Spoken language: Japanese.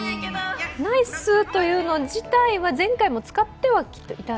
「ナイスー」というの自体は前回も使ってはいるんですね？